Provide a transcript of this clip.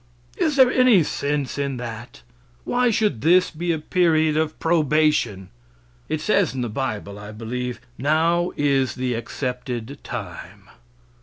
Is there any sense in that? Why should this be a period of probation? It says in the bible, I believe, "Now is the accepted time."